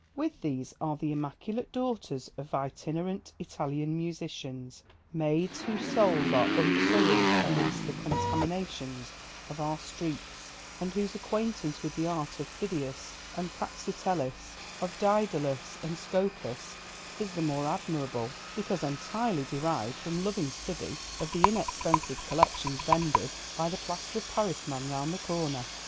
With these are the immaculate daughters of itinerant Italian musicians, maids whose souls are unsoiled amidst the contaminations of our streets, and whose acquaintance with the art of Phidias and Praxiteles, of Daedalus and Scopas, is the more admirable, because entirely derived from loving study of the inexpensive collections vended by the plaster of Paris man round the corner.